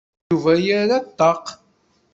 Yuba yerra ṭṭaq.